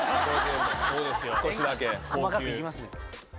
細かくいきますね。